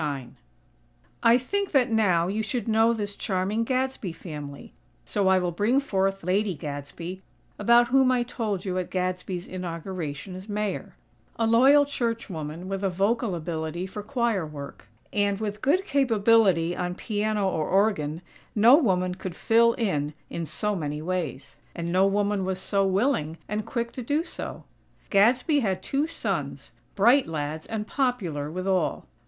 IX I think that now you should know this charming Gadsby family; so I will bring forth Lady Gadsby, about whom I told you at Gadsby's inauguration as Mayor; a loyal church woman with a vocal ability for choir work; and, with good capability on piano or organ, no woman could "fill in" in so many ways; and no woman was so willing, and quick to do so. Gadsby had two sons; bright lads and popular with all.